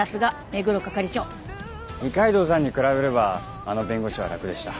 二階堂さんに比べればあの弁護士は楽でした。